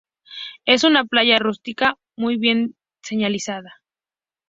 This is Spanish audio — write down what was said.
Es una playa rústica muy bien señalizada.